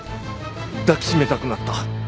抱きしめたくなった。